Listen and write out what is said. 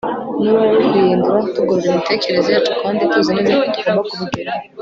n'uruhare rwo kuyihindura tugorora imitekerereze yacu kandi tuzi neza ko tugomba kubigeraho